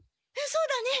そうだね。